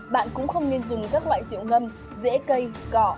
bạn cũng không nên dùng các loại rượu ngâm rễ cây cỏ